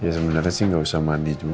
ya sebenarnya sih nggak usah mandi juga